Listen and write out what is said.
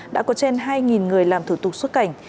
đã có trên hai người làm thủ tục xuất cảnh